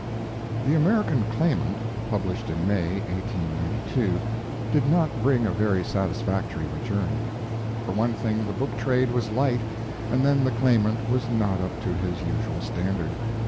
'The American Claimant', published in May l (1892), did not bring a very satisfactory return. For one thing, the book trade was light, and then the Claimant was not up to his usual standard.